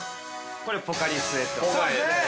◆これ、ポカリスエット。